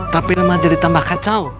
tapi memang jadi tambah kacau